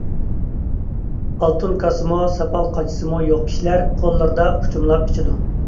ئالتۇن كاسسىمۇ، ساپال قاچىسىمۇ يوق كىشىلەر قوللىرىدا ئوچۇملاپ ئىچىدۇ.